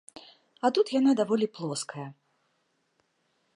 А тут яна даволі плоская.